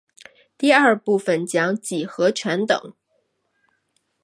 第二部份讲几何全等。